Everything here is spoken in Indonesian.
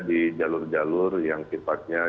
di jalur jalur yang sifatnya